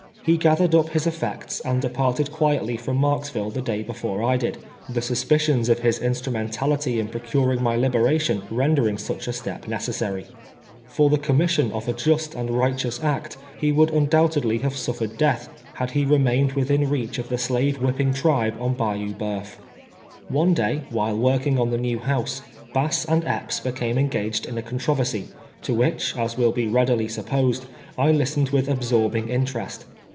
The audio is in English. He gathered up his effects and departed quietly from Marksville the day before I did, the suspicions of his instrumeiitality in procuring my liberation rendering such a stop n ccessary. For tlie commission of a just and righteous act he would undoubtedly have sufler ed death, had he remained within reach of the slave whipping tribe on Ba^'ou B<x'uf. One day, while working on the new liouse, Bass and Epps became engaged in a controversy, to which, as will be readily supposed, I listenod v.dth absorbing interest.